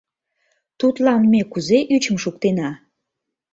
Тудлан ме кузе ӱчым шуктена?